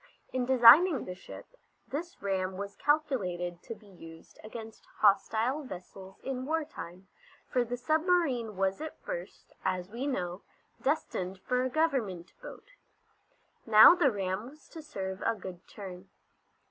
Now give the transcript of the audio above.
In designing the ship this ram was calculated to be used against hostile vessels in war time, for the submarine was at first, as we know, destined for a Government boat. Now the ram was to serve a good turn.